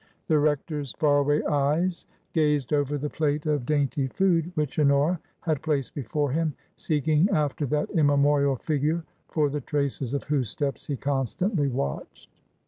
" The rector's far away eyes gazed over the plate of TRANSITION. 315 dainty food which Honora had placed before him, seek ing after that immemorial Figure for the traces of whose steps he constantly watched.